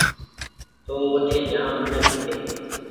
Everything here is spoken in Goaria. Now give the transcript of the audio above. تو وٺي جآم منک هيتي